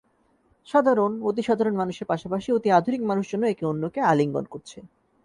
সাধারণ, অতি সাধারণ মানুষের পাশাপাশি অতি আধুনিক মানুষজনও একে অন্যকে আলিঙ্গন করছে।